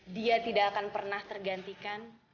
dia tidak akan pernah tergantikan